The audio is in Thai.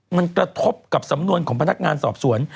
มันกระทบกับสำนวนของพนักงานสอบสวน